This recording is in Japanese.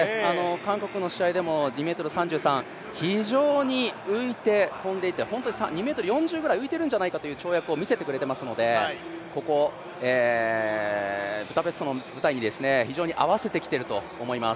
韓国の試合でも２ｍ３３、非常に浮いて跳んでいて、本当に２ｍ４０ぐらい浮いているんじゃないかっていう跳躍を見せてくれていますのでここ、ブダペストの舞台に非常に合わせてきてると思います。